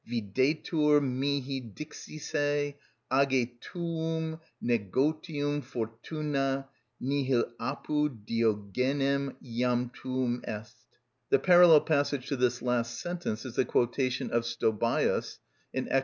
Videtur mihi dixisse; age tuum negotium, fortuna: nihil apud Diogenem jam tuum est._" The parallel passage to this last sentence is the quotation of Stobæus (_Ecl.